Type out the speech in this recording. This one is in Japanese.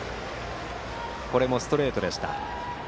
これもストレートでした。